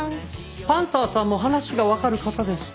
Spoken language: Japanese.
パンサーさんも話がわかる方でした。